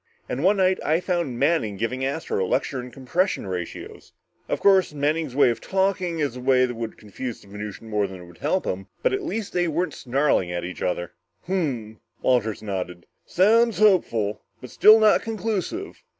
And one night I found Manning giving Astro a lecture in compression ratios. Of course, Manning's way of talking is a way that would confuse the Venusian more than it would help him, but at least they weren't snarling at each other." "Hmm," Walters nodded. "Sounds hopeful, but still not conclusive.